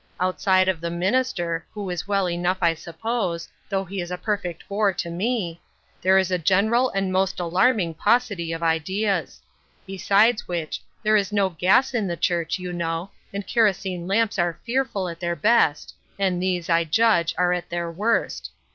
Outside of the minister — who is well enough, I suppose, though he is a perfect bore to me — there is a general and most alarming paucity of ideas. Besides which, there is no gas in the church, you know, and kerosene lamps are fearful at their best, and these, I judge, are at their worst.